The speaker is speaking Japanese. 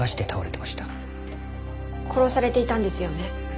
殺されていたんですよね。